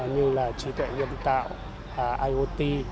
như là trí tuệ nghiên tạo iot